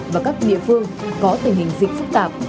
và các địa phương có tình hình dịch phức tạp